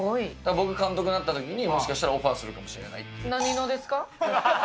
僕、監督になったときにもしかしたらオファーするかもしれななんのですか？